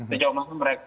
sejauh mana mereka